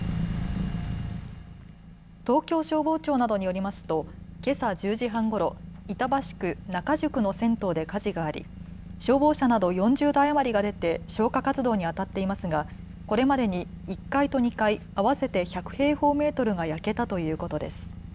東京消防庁などによりますとけさ１０時半ごろ、板橋区仲宿の銭湯で火事があり消防車など４０台余りが出て消火活動にあたっていますが、これまでに１階と２階合わせて１００平方メートルが焼けたということです。